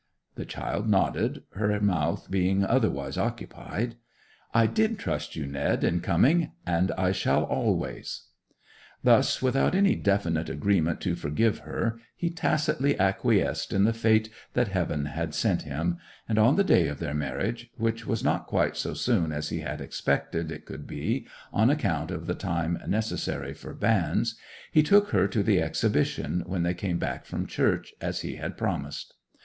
The child nodded, her mouth being otherwise occupied. 'I did trust you, Ned, in coming; and I shall always!' Thus, without any definite agreement to forgive her, he tacitly acquiesced in the fate that Heaven had sent him; and on the day of their marriage (which was not quite so soon as he had expected it could be, on account of the time necessary for banns) he took her to the Exhibition when they came back from church, as he had promised.